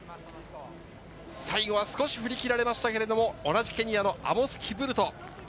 最後は少し振り切られました、同じケニアのアモス・キプルト。